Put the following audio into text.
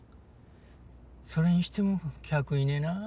それにしても客いねぇな。